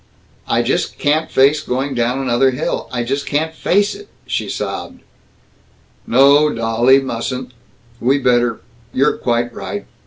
"I just can't face going down another hill! I just can't face it!" she sobbed. "No, dolly. Mustn't. We better You're quite right.